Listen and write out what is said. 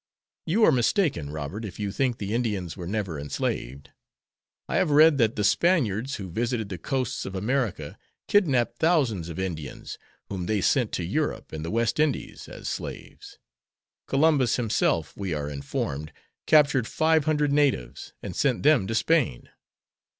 "You are mistaken, Robert, if you think the Indians were never enslaved. I have read that the Spaniards who visited the coasts of America kidnapped thousands of Indians, whom they sent to Europe and the West Indies as slaves. Columbus himself, we are informed, captured five hundred natives, and sent them to Spain.